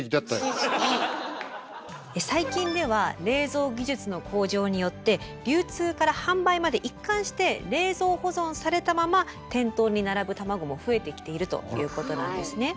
最近では冷蔵技術の向上によって流通から販売まで一貫して冷蔵保存されたまま店頭に並ぶ卵も増えてきているということなんですね。